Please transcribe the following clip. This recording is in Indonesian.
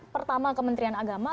pertama kementrian agama